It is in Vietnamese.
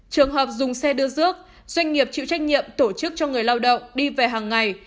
trường hợp dùng xe đưa rước doanh nghiệp chịu trách nhiệm tổ chức cho người lao động đi về hàng ngày